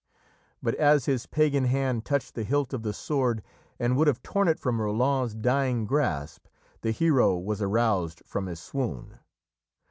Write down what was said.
But as his Pagan hand touched the hilt of the sword and would have torn it from Roland's dying grasp, the hero was aroused from his swoon.